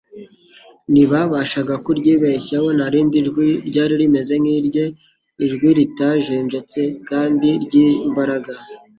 Ntibabashaga kuryibeshyaho; nta rindi jwi ryari rimeze nk'Irye, ijwi ritajenjetse kandi ry'imbaraga, .